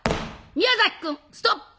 「宮崎君ストップ！